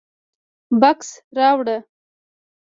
_بکس راوړه.